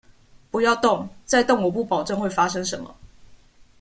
不要動，再動我不保證會發生什麼